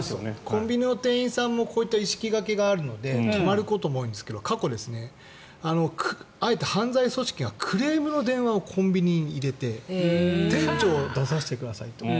コンビニの店員さんもこういう意識があるので止まることも多いんですけど過去、あえて犯罪組織がクレームの電話をコンビニに入れて店長を出させてくださいと。